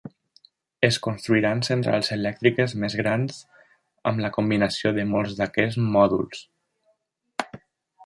Es construiran centrals elèctriques més grans amb la combinació de molts d'aquests mòduls.